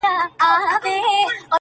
کله کله چه خفه وي ځنې خلق